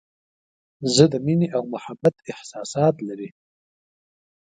زه د مینې او محبت احساسات لري.